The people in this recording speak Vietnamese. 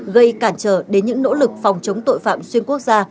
gây cản trở đến những nỗ lực phòng chống tội phạm xuyên quốc gia